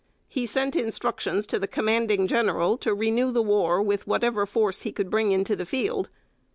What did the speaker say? He sent instructions to the Commanding General to renew the war with whatever force he could bring into the field.